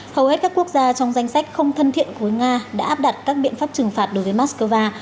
hầu hết các quốc gia trong danh sách không thân thiện với nga đã áp đặt các biện pháp trừng phạt đối với moscow